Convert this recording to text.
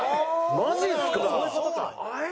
マジっすか！